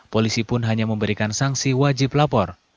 polisi pun hanya memberikan sanksi wajib lapor